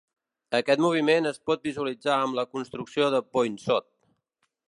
Aquest moviment es pot visualitzar amb la construcció de Poinsot.